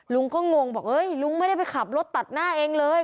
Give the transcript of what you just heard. ลุงก็งงบอกลุงไม่ได้ไปขับรถตัดหน้าเองเลย